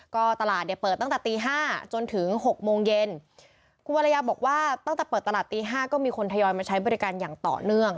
ก็ตลาดเนี่ยเปิดตั้งแต่ตีห้าจนถึงหกโมงเย็นคุณวรรยาบอกว่าตั้งแต่เปิดตลาดตีห้าก็มีคนทยอยมาใช้บริการอย่างต่อเนื่อง